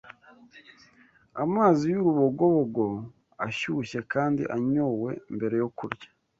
Amazi y’urubogobogo, ashyushye kandi anyowe mbere yo kurya